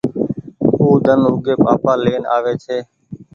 او ۮن اوگي پآپآ لين آوي ڇي۔